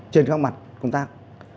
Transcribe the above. trên các mặt công tác